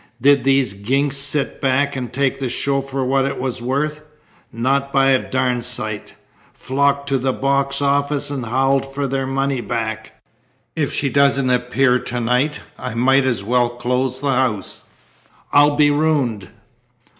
Did these ginks sit back and take the show for what it was worth? Not by a darn sight. Flocked to the box office and howled for their money back. If she doesn't appear to night I might as well close the house. I'll be ruined."